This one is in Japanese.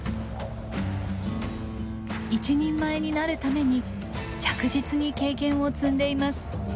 一人前になるために着実に経験を積んでいます。